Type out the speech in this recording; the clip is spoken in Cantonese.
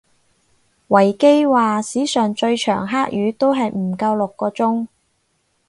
維基話史上最長黑雨都係唔夠六個鐘